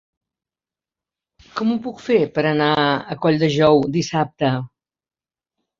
Com ho puc fer per anar a Colldejou dissabte?